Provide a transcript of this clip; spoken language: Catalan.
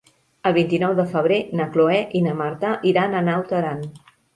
El vint-i-nou de febrer na Cloè i na Marta iran a Naut Aran.